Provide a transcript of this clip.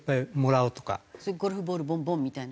それゴルフボールボンボン！みたいな？